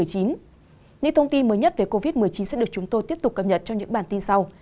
những thông tin mới nhất về covid một mươi chín sẽ được chúng tôi tiếp tục cập nhật trong những bản tin sau